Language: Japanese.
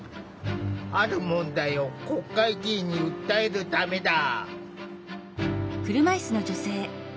ある問題を国会議員に訴えるためだ。